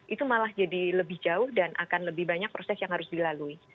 itu malah jadi lebih jauh dan akan lebih banyak proses yang harus dilalui